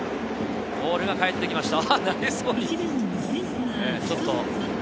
ボールがかえってきました。